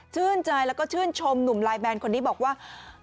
ชื่นใจแล้วก็ชื่นชมหนุ่มไลน์แบนคนนี้บอกว่า